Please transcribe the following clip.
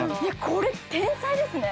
◆これ、天才ですね。